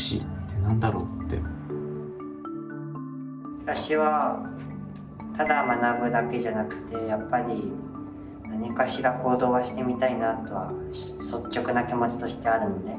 私はただ学ぶだけじゃなくてやっぱり何かしら行動はしてみたいなとは率直な気持ちとしてあるんで。